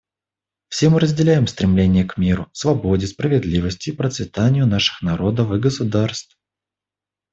Все мы разделяем стремление к миру, свободе, справедливости и процветанию наших народов и государств.